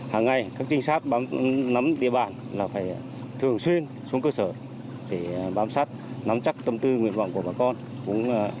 hàng ngày các trinh sát bám nắm địa bàn là phải thường xuyên xuống cơ sở để bám sát nắm chắc tâm tư nguyện vọng của bà con